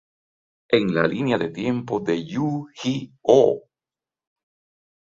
En la línea de tiempo de Yu-Gi-Oh!